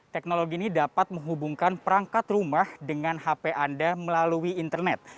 teknologi ini dapat menghubungkan perangkat rumah dengan hp anda melalui internet